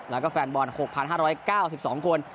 แล้วก็แฟนบอล๖๕๙๒คน